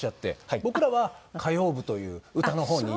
僕らは歌謡部という歌のほうにいて。